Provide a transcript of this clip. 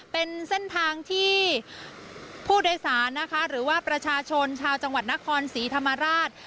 เป็นเส้นทางที่ผู้โดยสารนะคะหรือว่าประชาชนชาวจังหวัดนครศรีธรรมราช